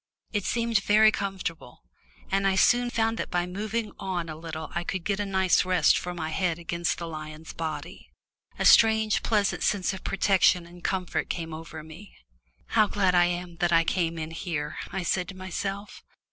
It seemed very comfortable, and I soon found that by moving on a little I could get a nice rest for my head against the lion's body. A strange pleasant sense of protection and comfort came over me. "How glad I am I came in here," I said to myself.